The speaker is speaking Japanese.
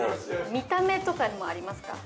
◆見た目とかにもありますか？